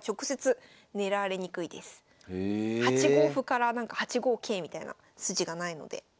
８五歩から８五桂みたいな筋がないので。